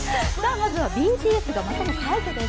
まずはＢＴＳがまたも快挙です。